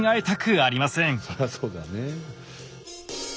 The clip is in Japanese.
そりゃそうだね。